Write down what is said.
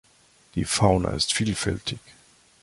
Die Fauna ist vielfältig.